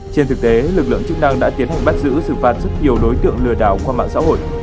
trên thực tế lực lượng chức năng đã tiến hành bắt giữ xử phạt rất nhiều đối tượng lừa đảo qua mạng xã hội